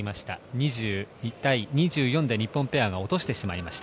２１対２４で日本ペアが落としてしまいました。